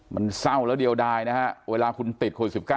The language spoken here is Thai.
มันเศร้าแล้วเดียวดายนะฮะเวลาคุณติดโควิด๑๙